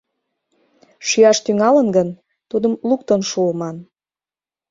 Шӱяш тӱҥалын гын, тудым луктын шуыман.